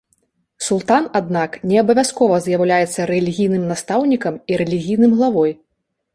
Султан, аднак, не абавязкова з'яўляецца рэлігійным настаўнікам і рэлігійным главой.